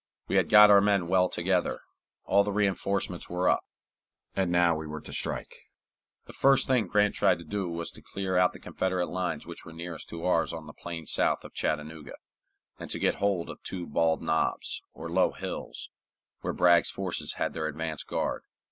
We had got our men well together, all the re enforcements were up, and now we were to strike. The first thing Grant tried to do was to clear out the Confederate lines which were nearest to ours on the plain south of Chattanooga, and to get hold of two bald knobs, or low hills, where Bragg's forces had their advance guard.